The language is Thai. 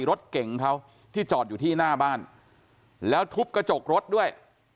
รถเก่งเขาที่จอดอยู่ที่หน้าบ้านแล้วทุบกระจกรถด้วย